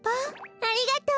ありがとう！